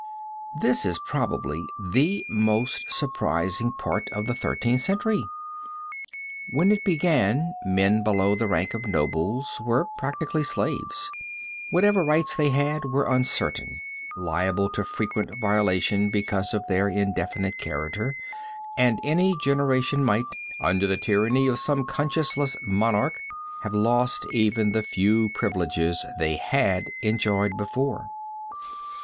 This is probably the most surprising part of the Thirteenth Century. When it began men below the rank of nobles were practically slaves. Whatever rights they had were uncertain, liable to frequent violation because of their indefinite character, and any generation might, under the tyranny of some consciousless monarch, have lost even the few privileges they had enjoyed before.